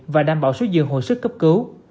và đảm bảo số dương hồi sức cấp cứu